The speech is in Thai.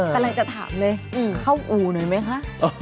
กำลังจะถามเลยเข้าอู่หน่อยไหมคะ